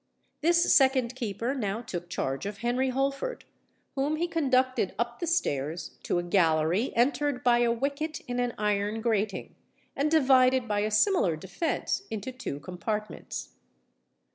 This second keeper now took charge of Henry Holford, whom he conducted up the stairs to a gallery entered by a wicket in an iron grating, and divided by a similar defence into two compartments.